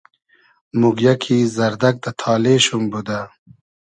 موگیۂ کی زئردئگ دۂ تالې شوم بودۂ